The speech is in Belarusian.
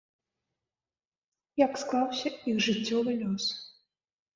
Як склаўся іх жыццёвы лёс?